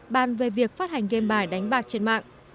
bàn về việc phát hành game bài đánh bạc trên mạng